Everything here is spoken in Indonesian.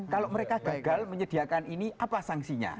kalau mereka gagal menyediakan ini apa sanksinya